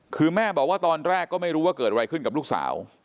คือแม่บอกว่าตอนแรกก็ไม่รู้ว่าเกิดอะไรขึ้นกับลูกสาว